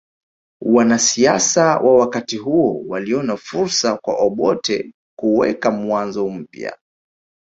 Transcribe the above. Wanasiasa wa wakati huo waliona fursa kwa Obote kuweka mwanzo mpya